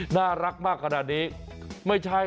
น่ารักมากขนาดนี้